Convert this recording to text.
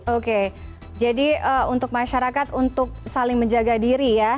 oke jadi untuk masyarakat untuk saling menjaga diri ya